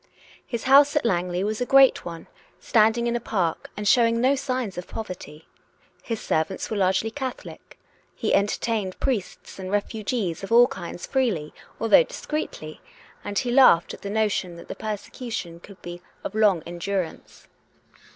His house at Langley was a great one, standing in a park, and showing no signs of poverty; his servants were largely Catholic; he entertained priests and refugees of all kinds freely, although discreetly; and he laughed at the COME RACK! COME ROPE! 375 notion that the persecution could be of long endur ance.